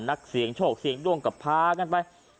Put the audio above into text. นักเสียงโชคเสียงด้วงกับพากันไป